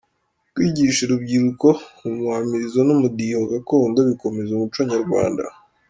kwigisha urubyiruko umuhamirizo n’umudiho gakondo bikomeza umuco nyarwanda